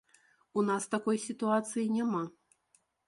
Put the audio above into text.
У нас такой сітуацыі няма.